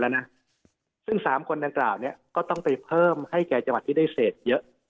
แล้วนะซึ่งสามคนดังกล่าวเนี่ยก็ต้องไปเพิ่มให้แก่จังหวัดที่ได้เสพเยอะ